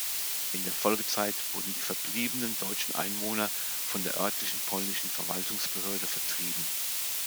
In der Folgezeit wurden die verbliebenen deutschen Einwohner von der örtlichen polnischen Verwaltungsbehörde vertrieben.